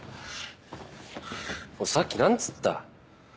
さっき何つった？